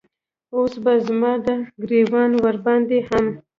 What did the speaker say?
اوس به زما د ګریوان وره باندې هم